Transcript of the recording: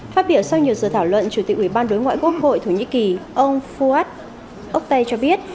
phát biểu sau nhiều giờ thảo luận chủ tịch ủy ban đối ngoại quốc hội thổ nhĩ kỳ ông fuad oktay cho biết